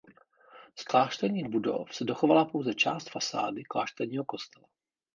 Z klášterních budov se dochovala pouze část fasády klášterního kostela.